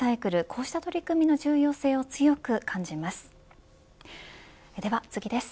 こうした取り組みの重要性を強く感じます。